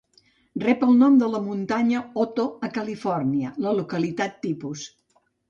Rep el nom de la muntanya Otto, a Califòrnia, la localitat tipus.